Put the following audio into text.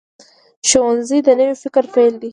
ښوونځی د نوي فکر پیل دی